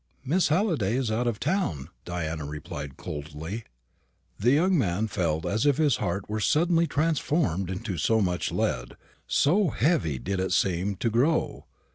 "Miss Halliday is out of town," Diana replied coldly. The young man felt as if his heart were suddenly transformed into so much lead, so heavy did it seem to grow.